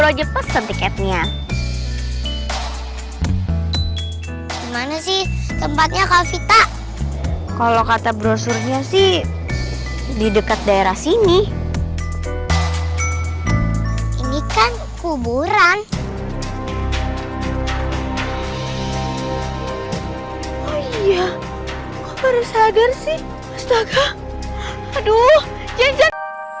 oh iya kok baru sadar sih astaga aduh jensen